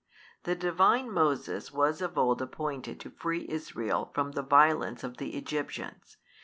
The Divine Moses was of old appointed to free Israel from the violence of the Egyptians.